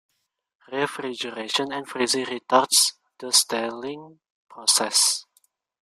Refrigeration and freezing retards the staling process.